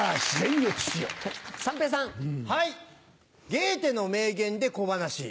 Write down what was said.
ゲーテの名言で小噺。